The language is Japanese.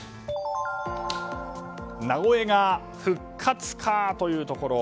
なおエが復活か？というところ。